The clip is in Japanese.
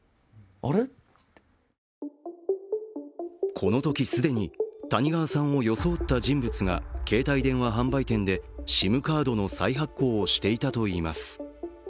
このとき既に、谷川さんを装った人物が携帯電話販売店でＳＩＭカードの再発行をしていたといいます。